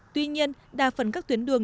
tuy nhiên đa phần các tuyến đường